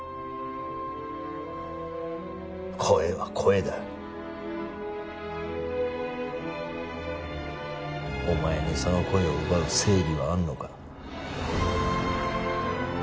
声は声だお前にその声を奪う正義はあるのか？